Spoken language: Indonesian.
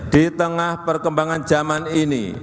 di tengah perkembangan zaman ini